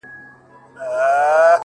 ته ټيک هغه یې خو اروا دي آتشي چیري ده;